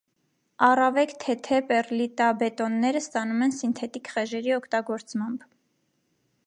Առավեք թեթե պեռլիտաբետոննեոը ստանում են սինթետիկ խեժերի օգտագործմամբ։